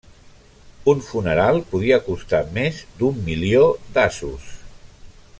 Un funeral podia costar més d'un milió d'asos.